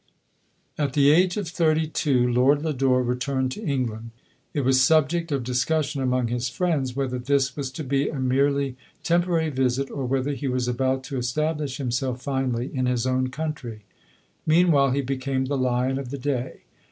At the age of thirty two, Lord Lodore re turned to England. It was subject of discus sion among his friends, whether this was to he ;i merely temporary visit, or whether he w; about to establish himself finally in his own country. Meanwhile, he became the lion of the day.